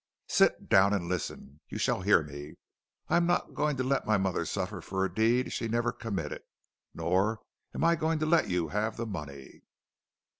"Sit down and listen. You shall hear me. I am not going to let my mother suffer for a deed she never committed, nor am I going to let you have the money."